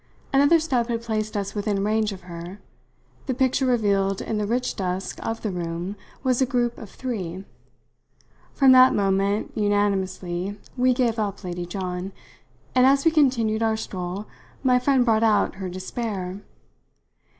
Another step had placed us within range of her; the picture revealed in the rich dusk of the room was a group of three. From that moment, unanimously, we gave up Lady John, and as we continued our stroll my friend brought out her despair.